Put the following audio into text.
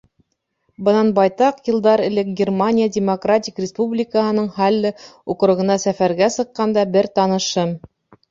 Бынан байтаҡ йылдар элек Германия Демократик Республикаһының Һалле округына сәфәргә сыҡҡанда, бер танышым: